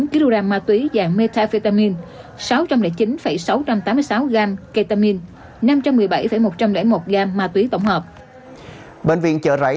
một mươi một trăm ba mươi chín kg ma túy dạng metafetamin sáu trăm linh chín sáu trăm tám mươi sáu g ketamin năm trăm một mươi bảy một trăm linh một g ma túy tổng hợp